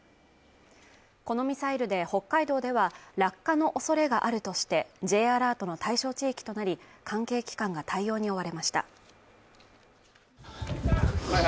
このミサイルで北海道では、落下の恐れがあるとして、Ｊアラートの対象地域となり、関係機関が対応に追われました。